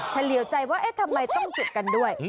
เฉลี่ยวใจว่าเอ๊ะทำไมต้องจุดกันด้วย